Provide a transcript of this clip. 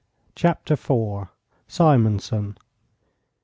CHAPTER IV. SIMONSON.